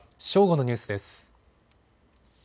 正午のニュースです。